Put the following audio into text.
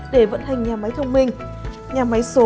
để vận hành nhà máy thông minh